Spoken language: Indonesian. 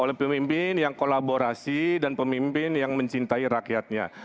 oleh pemimpin yang kolaborasi dan pemimpin yang mencintai rakyatnya